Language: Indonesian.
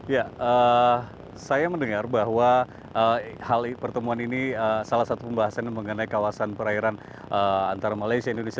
ya saya mendengar bahwa pertemuan ini salah satu pembahasan mengenai kawasan perairan antara malaysia dan indonesia